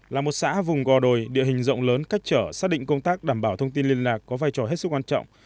là một xã vùng gò đồi địa hình rộng lớn cách trở xác định công tác đảm bảo thông tin liên lạc có vai trò hết sức quan trọng